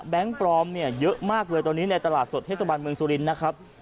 แบงค์ปรอมเยอะมากเวลาในตลาดสดเทศกรรมเมืองสุรินทร์นะครับ